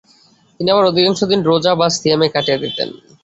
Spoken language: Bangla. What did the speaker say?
তিনি আবার অধিকাংশ দিন রোজা বা সিয়ামে কাটিয়ে দিতেন।